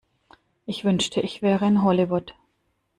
Ich wünschte ich wäre in Hollywood.